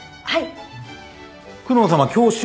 はい。